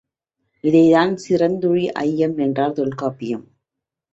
இதைத்தான் சிறந்துழி ஐயம் என்றார் தொல்காப்பியர்.